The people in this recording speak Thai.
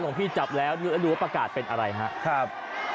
เราพี่จับแล้วเรียกได้รู้ประกาศเป็นอะไรนะครับ